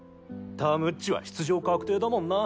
タムっちは出場確定だもんな。